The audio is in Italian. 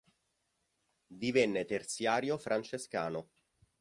Divenne terziario francescano.